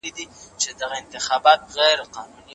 هغه هيڅکله د خپلو مسؤليتونو څخه سترګي نه پټوي.